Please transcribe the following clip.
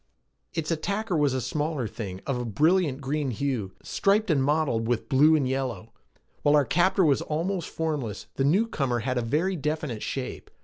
Its attacker was a smaller thing of a brilliant green hue, striped and mottled with blue and yellow. While our captor was almost formless, the newcomer had a very definite shape.